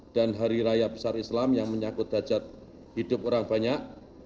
dan hari raya besar islam yang menyakut hajat hidup orang banyak